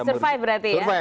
masih survive berarti ya